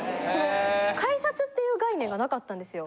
改札っていう概念がなかったんですよ。